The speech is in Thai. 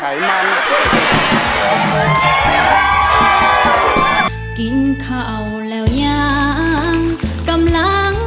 เกิดเสียแฟนไปช่วยไม่ได้นะ